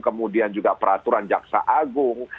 kemudian juga peraturan jaksa agung